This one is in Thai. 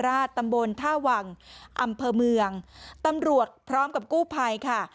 ตำบลท่าวังอำเภอเมืองตำรวจพร้อมกับกู้ภัยค่ะ